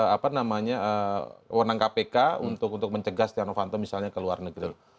apa namanya wenang kpk untuk mencegah stiano fanto misalnya ke luar negeri